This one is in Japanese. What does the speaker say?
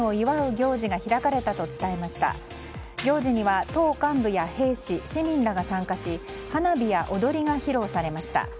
行事には党幹部や兵士、市民らが参加し花火や踊りが披露されました。